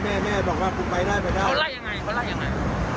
เขาไร่คือไหนไหนก็อยู่ไปบาปไปแล้ว